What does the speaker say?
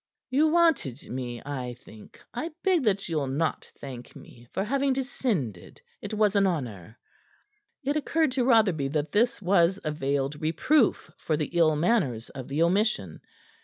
"You wanted me, I think. I beg that you'll not thank me for having descended. It was an honor." It occurred to Rotherby that this was a veiled reproof for the ill manners of the omission.